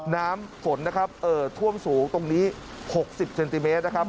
น้ำฝนนะครับเอ่อท่วมสูงตรงนี้๖๐เซนติเมตรนะครับ